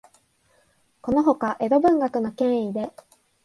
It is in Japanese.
このほか、江戸文学の権威で、